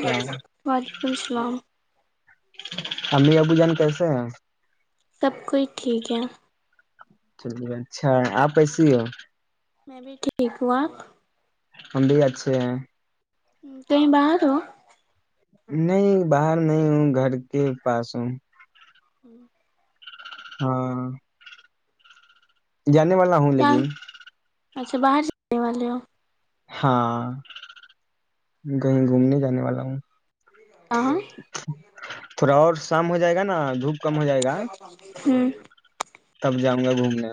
کیا وعلیکم السلام امیر ابو جان کیسے ہیں سب کوئی ٹھیک ہے چلی اچھا آپ ایسیے ہو میں بھی ٹھیک ہوں آپ ہم بھی اچھے ہیں کہیں باہر ہو نہیں باہر نہیں ہوں گھر کے پاس ہوں ہ [unintelligible] ہاں جانے والا ہوں کیا لیکن اچھا باہر جانے والے ہو ہاں کہیں گھومنے جانے والا ہوں کہاں [inaudible] پورا اور شام ہو جائے گا نا دھوپ کم ہو جائے گا ہوں تب جاؤں گا گھومنے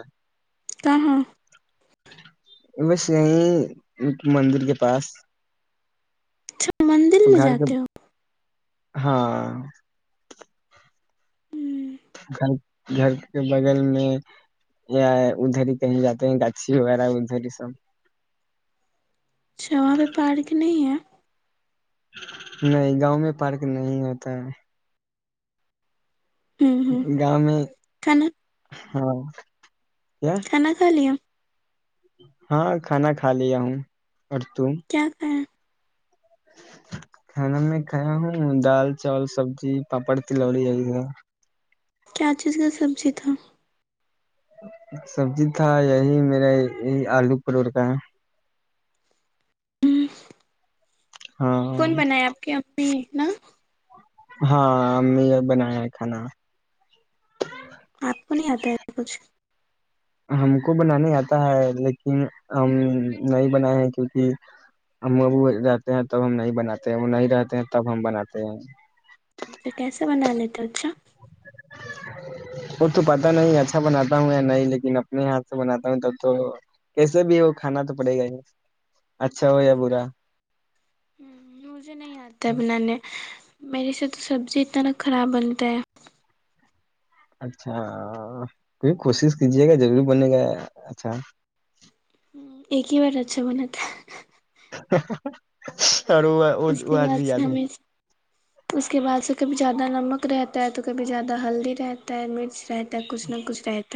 کہ ہاں بس یہیں مندر کے پاس اچھا مندر تو میں گھر کے جاتے ہو [unintelligible] ہاں ہوں گھر گھر کے بغل میں یا ادھر ہی کہیں جاتے ہیں گاچھی وغیرہ ادھر ہی سب اچھا وہاں پہ پارک نہیں ہے نہیں گاؤں میں پارک نہیں ہوتا ہے ہوں ہوں ہے گاؤں میں کنا ہاں [unintelligible] کھانا کھا لیا ہاں کھانا کھا لیا ہوں اور تم کیا کریں کھانا میں کھایا ہوں دال چاول سبزی پاپڑ تلوڑییرح کیا چیز کا سبزی تھا سبزی تھا یہی میرا یہی آلو پرٹور کا ہے ہوں [unintelligible] کون بنایا آپ کی امی نا ہاں امی نے بنایا ہے کھانا آپ کو نہیں آتا ہے کچھ ہم کو بنانے آتا ہے لیکن ہم نہیں بنائے ہیں کیونکہ ہم رہتے ہیں تب ہم نہیں بناتے ہیں وہ نہیں رہتے ہیں تب ہم بناتے ہیں اچھا کیسے بنا لیتے اچھا وہ تو پتا نہیں اچھا بناتا ہوں یا نہیں لیکن اپنے ہاتھ سے بناتا ہوں تب تو کیسے بھی ہو کھانا تو پڑے گا ہی اچھا ہو ہ یا برا ہ مجھے نہیں آتا بنانے میرے سے تو سبزی اتنا ن خراب بنتا ہے اچھا کیکہ کوشش کیجیے گا ضروری بنے گا اچھا ایک ہی بار اچا من تھا [unintelligible] وہ اس وہ کے آج بعد بھی سے یاد ہے ہمیں اس کے بعد سے کبھی زیادہ نمک رہتا ہے تو کبھی زیادہ ہلدی رہتا ہے مرچ رہتا ا کچھ نہ کچھ رہ ت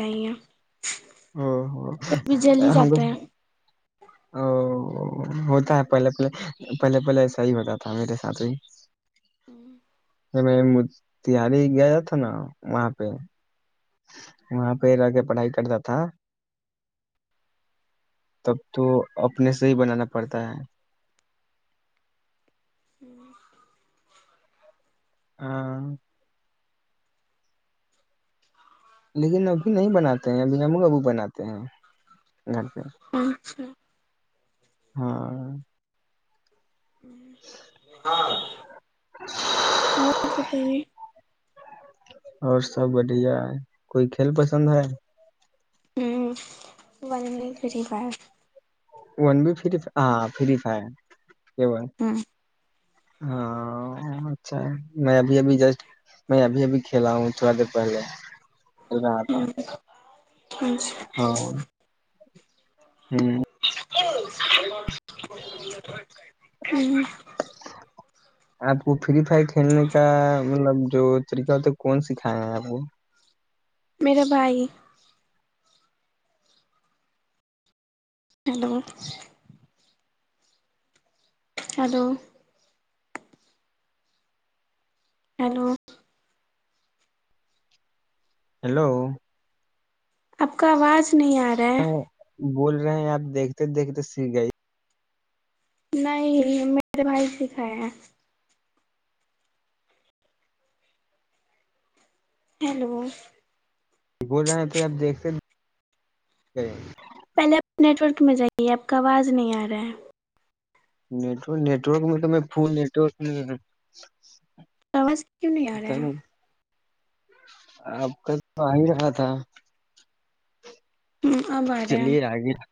او ہم جاتا ہے او ہوتا ہے پہلے پہلے پہلے پہلےس ہی ہوتا تھا میرے ساتھ بھی [unintelligible] میں م تہاری گیا تھا نا وہاں پہ وہاں پہ رہ کے پڑھائی کرتا تھا تب تو اپنے سے ہی بنانا پڑتا ہے [unintelligible] ہاں لیکن ابھی نہیں بناتے ہیں اب نام کابو بناتے ہیں گھر پہ اچھا ہاں [unintelligible] اور سب بڑھیا ہے کوئی کھیل پسند ہے بنے فری بات ون بھی ف ہاں فری فائر کیا ب ہے ہوں ہاں اچھا میں ابھیبھی جسٹ میں ابھی ابھی کھیلا ہوں تھوڑا دیر پہلے کل رہا تھا اچھا ہاں ہوں [unintelligible] آپ کو فری فائر کھیلنے کا مطلب جو طریقہ ہوتا ہے کون سکھایا ہیں آپ کو میریرا بھائی ہلو ہلو ہیلو ہیلو آپ کا آواز کس نہیں آ رہا ہے بول رہے ہیں آپ دیکھتے دیکھتے س گئی نہیں میرے بھائی سکھائے ہیں ہیلو بول رہا تو آب دیکھتے پہلے آپ نیٹ ورک میں جائیے آپ کا آواز نہیں آ رہا ہے نیٹک نیٹورک میں تو میں ف نیٹورک نہیں آواز کیوں نہیں آ پتہ رہا آپ کا تو آ ہی رہا تھا ہ اب آ رہا ہے چلیے آگے ررذ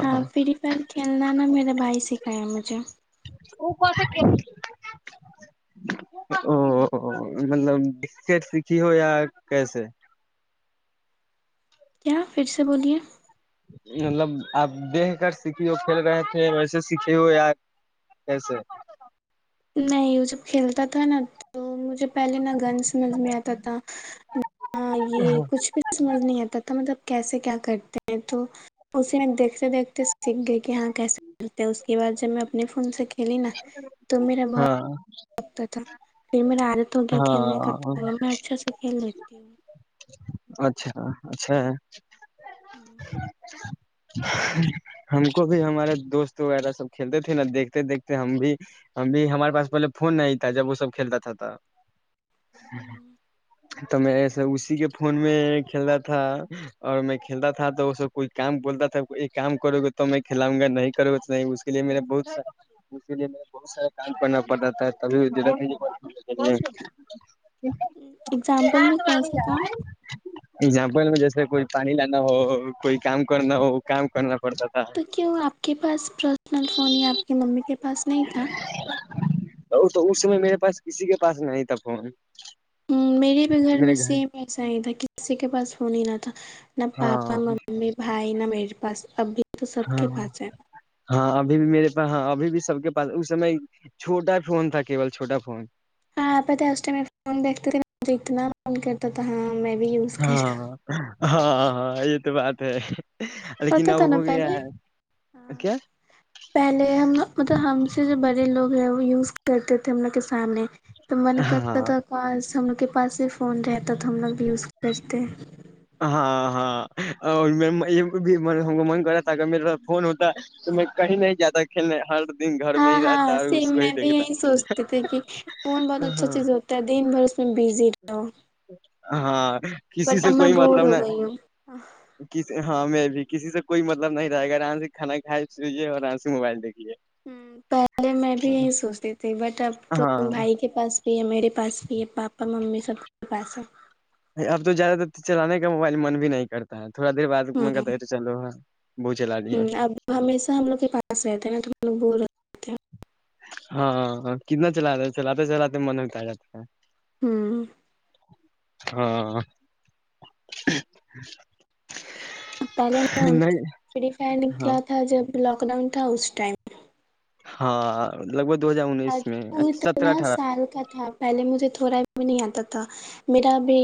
ہاں فری فائر کھیلنا نا میرا بھائی سیکک مجھے او مطلب د سیکھی ہو یا کیسے [unintelligible] کیا پھر سے بولیے مطلب آپ دیکھ کر سیکھی ہو کھیل رہے تھے ویسے سیکھھی ہو یار کیسے نہیں وہ جب کھیلتا تھا نا تو مجھے پہلے نہ گن سمجھ میں آتا تھا نہ یہ کچھ بھی سمجھ نہیں آتا تھا مطلب کیسے کیا کرتے ہیں تو اسی میں دیکھتے دیکھتے سیکھ گئے کہ ہاں کیسے کرتے اس یہ بات جب میں اپنے فون سے کیا چل نا [unintelligible] تو میرا بہت ہاں لگتا تھا پھر میرا عادت ہو گیا کھیلنے کا ہاں میں اچھے سے کھیل لیتی ہوں اچھا اچھا ہوں ہم کو بھی ہمارے دوست وغیرہ سب کھیلتے تھے نا دیکھتے دیکھتے ہم بھی ہم بھی ہمارے پاس پہلے فون نہیں تھا جب وہ سب کھیلتا تھا تھا تو میں اسی کے فون میں کھیلتا تھا اور میں کھیلتا تھا توب کوئی کام بولتا تھا یہ کام کرو گے تو میں کھلاؤں گا نہیں کرو گے تو نہیں اس کے لیے میرا بہت س اسی لیے مے بہت سارا کام کرنا پڑ رہا تھا تبھی د [unintelligible] اگزامپل میں کونسا کام ایگزامپل میں جیسے کوئی پانی لانا ہو کوئی کام کرنا ہو کام کرنا پڑتا تھا تو کیوں آپ کے پاس پرسنل فون یا آپ کی ممی کے پاس نہیں تھا وہ تو اس سمے میرے پاس کسی کے پاس نہیں تھا فون ہ میرے بھی گھر میں سیم ایسا ہی تھا کسی کے پاس ہونیین [unintelligible] پاپا ہاں ممی بھائی نا میری پاس اب بھی یہ تو سب ہاں کے پاس ہے ہاں ابھی بھی میرے پاس ہاں ابھی بھی سب کے پاس اس سم میں چھوٹا فون تھا کیول چھوٹا فون ہاںپ اس میں فون دیکتے تھے مج اتنا فون کرتا تھا ہ میں بھی یوز کروں ہاں ہاں ہاں تو بات ہے لیکن پتا اب تھا نا ہو گیا پہلے ہ ہے کیا پہلے ہم مطلب ہم سے جو بڑے لوگ یوز کرتے تھے ہم نے کسانیں تو من کرتا ہاں تھا کو ہم کے پس ہی فون رہ تب تو ہم لوگ بھی یوز کرتے ہیں ہاں ہاں اور بھی من کرا تھا ا میرے فون ہوتا تو میں کہیں نہیں جاتا کھیلنے ہر دن گھر میں ہاں ہی ہاں رہتا اور اس سیم کو ہی میں بھی دیکھتا یہی سوچتی تھی کہ فون بہت اچھا ہاں چیز ہوتا ہے دن بھر اس میں بزی رہ ہو ہاں کسی بٹ سے کوئی ا مطلب ن کسی ہاں بھی کسی سے کوئی مطلب نہیں رہےا آرام سے کھا کھائے پییے اور آرام سے موبائل دیکے ہ پہلے میں بھی یہی سوچتی تھی بٹ ب تو ہاں بھائی کے پاس یہی میرے پاس بھی ہے پاپا ممی سے سب سے پیسہ اب تو زیادہ تر چلانے کا موبائل من بھی نہیں کرتا تھوڑا دیرعد منگا تیرے چلو ہاں وہ چلا ہ لیے اب ہمیشہ ہم لوگ کے پاس رہتے ہیں نا تو ہم لوگ بول رہ اچ ہاںاں کتنا چلا چلاتے چلاتے من ہوت آ جاتا ہے ہوں ہاں پہلے نہیں فری فائر ہاں نکلا تھا جب لاک ڈاؤن تھا اس ٹائم ہاں لگ بھگ دو ہزار اور انیس میں وہ سترہ اتنا اٹھارہ سال کا تھا پہلے مجھے تھوڑا بھی نہیں آتا تھا تو میرا بھی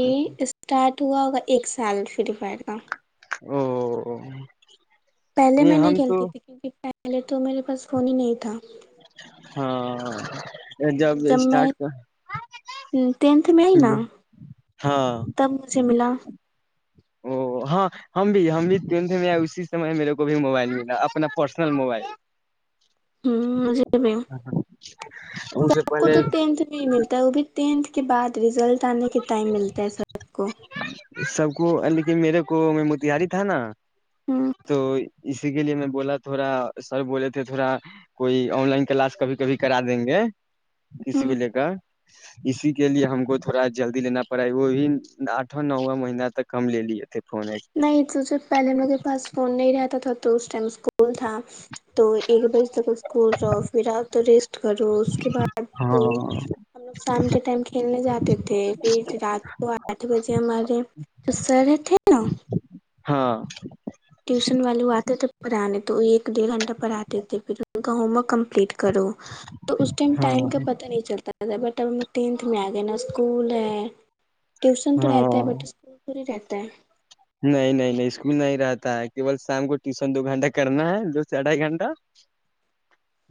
اسٹارٹ توا ہوگا ایک سال فری فائر کا او پہلے میں نہیں ہم کھیلتی تو تھی کیونکہ پہلے تو میرے پاس فون ہی نہیں تھا ہاں جب میں ٹینتھ میں آئی نا ہاں تب مجھے ملا او ہاں ہم بھی ہم بھی ٹوھ میں آئے اسی سمے میرے کو بھی موبائل ملا اپنا پرسنل موبائل ہ مجے بھی اس سے سب کو پہلے تو ٹینتھ میں ہی ملتا ہے وہ بھی ٹینھ اس کے بعد ریزلٹ آنے کے ٹائم ملتا ہے سر سو سب کو لیکن میرے کو میں موتہاری تھا نا ہ تو اس اسی کے لیے میں بولا تھوڑا سر بولے تھے تھوڑا کوئی آن لائن کلاس کبھی کبھی کرا دیں گے کسی کو ہ لے کر اسی کے لیے ہم کو تھوڑا جلدی لینا پڑا ہے وہ بھی اھ نواں مہینہ تک کم ل لیی ہے نہیں توھے پہلے انوگ کے پس فون نہیں رہتا تھا تو اس ٹائم اسکول تھا تو ایک بجے تک اسکول رہو پھر آؤ تو ریسٹ کرو اس کے بعد ہم لوگ شام کے ٹائم کھیلنے جاتے تھے پھر رات کو آٹھ بجے ہمارے جو سر تھے کتا ہاں ٹیوشن والے آتے تھ پرانی تو ایک ڈیڑھ گھنٹہ پڑھاتتے تھے پھر ان کا ہوم ورک کمپلیٹ کرو تو اس ٹائم ہاں ٹائم کا پتا نہیں چلتا رہ تھا بٹ تب ہم ٹینتھ میں آ گئے نا اسکول ہے ٹیوشن تو ہاں رہتا ہے بٹ اسکول پوری رہتا ہے ت نہیں نہیں نہیں اسکول نہیں رہتا ہے کیول شام کو ٹیوشن دو گھنٹہ کرنا ہے دو سے اھائی گھنٹہ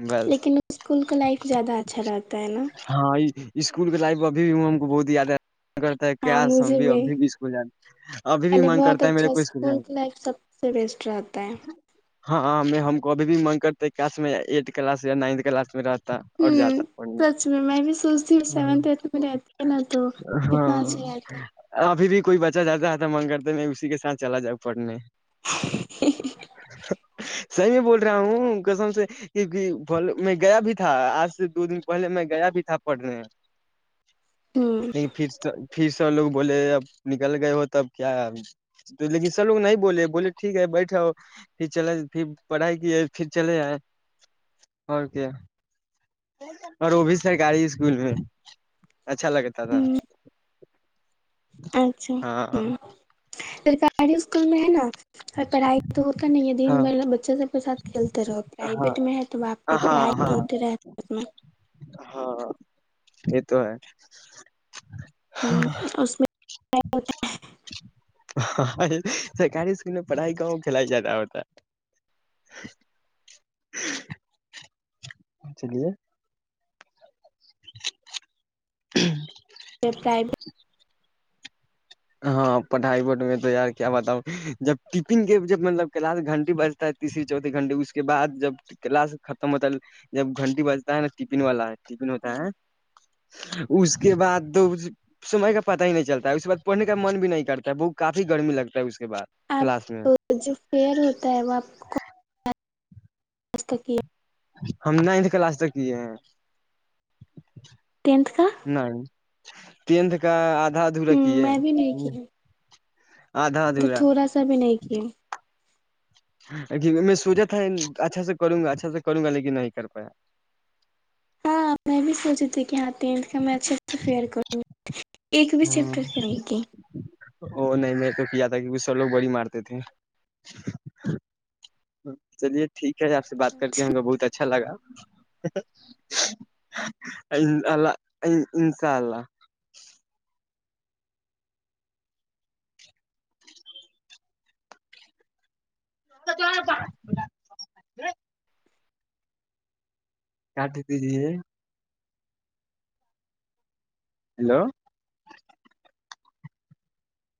بس لیکن اسکول کا لائف زیادہ اچھا رہتا ہے نا ہاں اسکول کے لائف اب بھی ہم کو بہت یاد ہے من کرتا ہے ہاں کیاس سم مجھے بھی ابھی بھی اسکول جانا ابھی بھی پہلے من بہت کرتا ہے میرے اچھا کو اسکول جانا کی لائف سب سے بیسٹ رہتا ہے ہاں ہ ہم کو اب بھی منگ کرتے کس میں ایٹھ کلاس یا نائنھ کلاس میں رہ ہ سچ میں میں بھی سوچتی ہوں سیونھ ایھ میں رہتی ہے نا تو کتنا اچھا ہاں رہتا ابھی بھی کوئی بچہ جاتا آتا مگ کرتے نہیں اس کسی کے سھ چلا جؤ پڑنے ہے۔ [unintelligible] صحیح میں بول رہا ہوں کسم سے میں گیا بھی تھا آج سے دو دن پہلے میں گیا بھی تھا پڑھنے ہوں نہیں فھر توھر س لوگ بولے اب نکل گئے ہو تب کیا ہے تو لیکن سب لوگ نہیں بولے بولے ٹھیک ہے بیٹھا ہو پھر چلے پھر پڑھائی کیے پھر چلے جائیں اور کیا اور وہ بھی سرکاری اسکول میں اچھا لگتا تھا ہوں اچھا ہاں ہ سرکاری اسکول میں ہے نا اور پڑھائی تو ہوتا نہیں ہے ہاں دن بھرلا بچہ سب کے ساتھ کھیلتے رہو ہاں پرائیویٹ میں ہے تو آپ کی ہاں پڑھائی ہاں ہوتے رہتے اس میں ہاں یہ تو ہے ہاں ہوں اس میں ہاں سرکاری اسکول میں پڑھائی کا کھیلا جاتا ہوتا [inaudible] چلیے ہ پرائٹ ہاں پڑھائی بورڈ میں تو یار کیا بتاؤ جب ٹفن کے جب مطلب کلاس گھنٹی بجتا ہے تیسری چوتھی گھنٹیے اس کے بعد جب کلاس ختم ہوتا ہے جب گھنٹی بجتا ہے نا ٹفن والا ہے ک دن ہوتا ہے اس کے بعد تو سمے کا پتا ہی نہیں چلتا ہے اس کے بعد پڑنے کا من بھی نہیں کرتا ہے ب کافی گرمی لگتا ہے اس کے بعد کلاس میں آپ جو فیئر ہوتا ہے وہ آپ کو آست کا کیا ہم نائنتھ کلاس تک کیے ہیں ٹینتھ کا نہیں تتھ کا آدھا ادھورا ہ کیے میں بھی نہیں کیا آدھا تو ادھورا تھوڑا سا بھی نہیں کیا کہ میں سوچا تھا اچھا سے کروں گا اچھا سے کروں گا لیکن نہیں کر پایا ہاں میں بھی سوچ رہی تھی کہ ہاں تین کا میں اچھے سے فیئر کروں گی ایک بھی سیفٹر کرے گی ا نہیں میں تو کیا تھا کیکہ س لوگ بڑی مارتے تھے چلیے ٹھیک آ سے بات کر کے ہم کو بہت اچھا لا اللہ انشاء اللہ تو آ کاٹی تجیے ہیلو